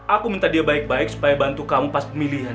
aku minta dia baik baik supaya bantu kamu pas pemilihan